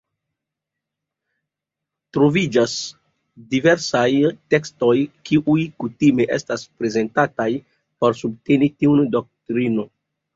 Troviĝas diversaj tekstoj kiuj kutime estas prezentataj por subteni tiun doktrinon.